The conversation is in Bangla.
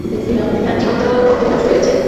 তার জীবন তো তখনই নষ্ট হয়ে গেছে।